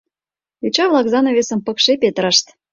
Йоча-влак занавесым пыкше петырышт.